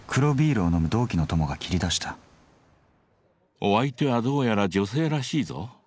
お相手はどうやら女性らしいぞ。